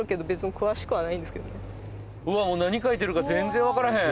うわ何書いてるか全然分からへん